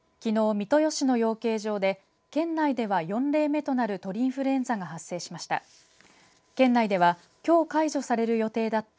三豊市の養鶏場で県内では４例目となる鳥インフルエンザが発生しました。